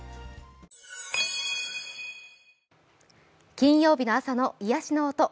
金曜日の朝の癒しの音。